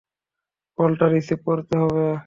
কলটা রিসিভ করতে হবে।